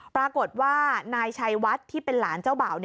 ปรากฏว่านายชัยวัดที่เป็นหลานเจ้าบ่าว